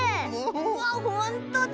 うわっほんとだ！